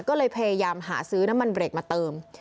ก็เลยพยายามหาซื้อน้ำมันเบรกมาเติม